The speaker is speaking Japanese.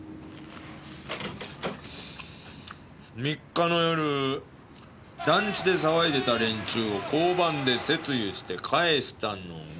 ３日の夜団地で騒いでた連中を交番で説諭して帰したのが。